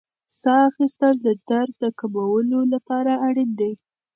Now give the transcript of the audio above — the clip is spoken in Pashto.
ساه اخیستل د درد د کمولو لپاره اړین دي.